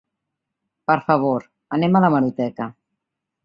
Per favor, anem a l’hemeroteca.